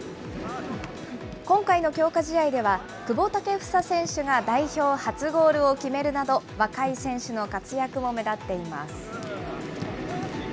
今回の強化試合では、久保建英選手が代表初ゴールを決めるなど、若い選手の活躍も目立っています。